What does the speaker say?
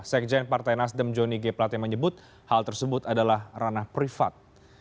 sekjen partai nasdem joni g plate menyebut hal tersebut adalah ranah privat